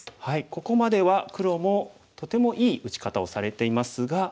ここまでは黒もとてもいい打ち方をされていますが。